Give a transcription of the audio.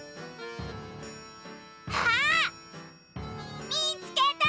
あっ！みつけた！